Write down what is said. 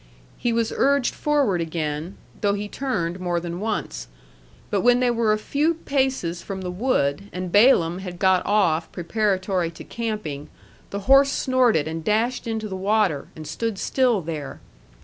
He was urged forward again, though he turned more than once. But when they were a few paces from the wood, and Balaam had got off preparatory to camping, the horse snorted and dashed into the water, and stood still there.